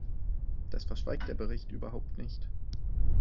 Das verschweigt der Bericht überhaupt nicht.